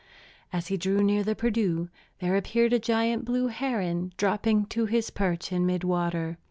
As he drew near the Perdu there appeared the giant blue heron, dropping to his perch in mid water.